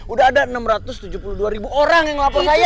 udah ada enam ratus tujuh puluh dua ribu orang yang melapor saya